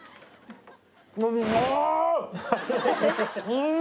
うん！